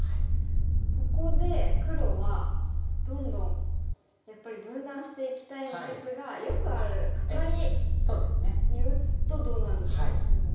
ここで黒はどんどんやっぱり分断していきたいんですがよくあるカカリに打つとどうなるのか。